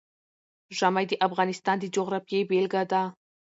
ژمی د افغانستان د جغرافیې بېلګه ده.